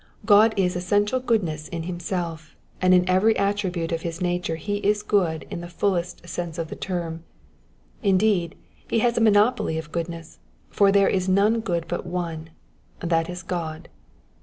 God is essential goodness in himself, and in every attribute of his nature he is good in the fullest sense of the term ; indeed, he has a monopoly of goodness, for there is none good but one, that is God.